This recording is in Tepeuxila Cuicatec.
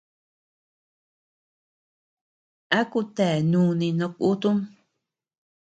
¿A kutea núni no kutum?